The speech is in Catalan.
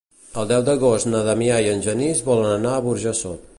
El deu d'agost na Damià i en Genís volen anar a Burjassot.